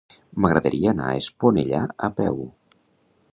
M'agradaria anar a Esponellà a peu.